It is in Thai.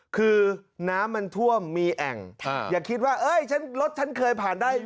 คือน้ำมันท่วมมีแอ่งอย่าคิดว่ารถฉันเคยผ่านได้